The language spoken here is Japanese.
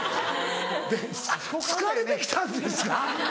べん疲れて来たんですか⁉